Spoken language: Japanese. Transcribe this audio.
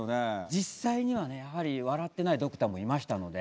実際にはねやはり笑ってないドクターもいましたので。